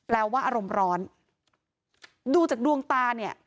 ว่าอารมณ์ร้อนดูจากดวงตาเนี่ย